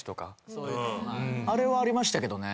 あれはありましたけどね